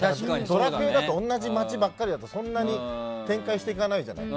「ドラクエ」で同じ町ばっかりだと、そんなに展開していかないじゃない。